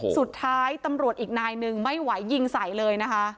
สุดท้ายตำรวจอีกนายหนึ่งไม่ไหวยิงใส่เลยนะคะ